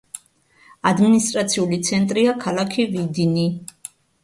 ადმინისტრაციული ცენტრია ქალაქი ვიდინი.